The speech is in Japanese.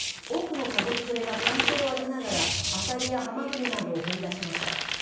多くの家族連れが歓声を上げながらあさりやはまぐりなどを掘り出しました。